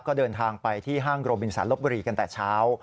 ก็เดินทางไปที่ห้างโรบินสารลบบุรีกันแต่เช้า